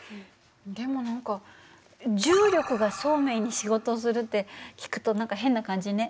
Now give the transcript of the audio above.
でも何か重力がそうめんに仕事をするって聞くと何か変な感じね。